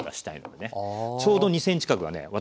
ちょうど２ｃｍ角がね